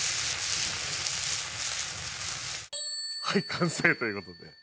はい完成という事で。